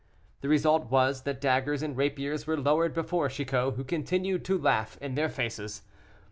The result was, that daggers and rapiers were lowered before Chicot, who continued to laugh in their faces.